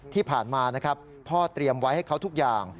ที่ผ่านมานะครับพ่อเตรียมไว้ให้เขาทุกอย่าง